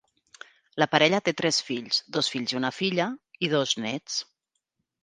La parella té tres fills, dos fills i una filla, i dos nets.